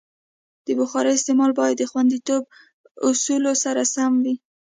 د بخارۍ استعمال باید د خوندیتوب اصولو سره سم وي.